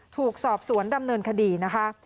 ถูกสอบสวนดำเนินคดีนะคะ